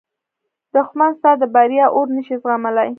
دښمن ستا د بریا اور نه شي زغملی